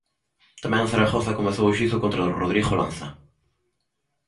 Tamén en Zaragoza, comezou o xuízo contra Rodrigo Lanza.